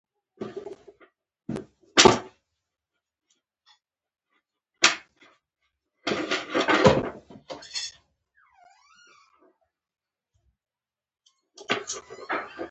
بزګان د افغان کلتور سره تړاو لري.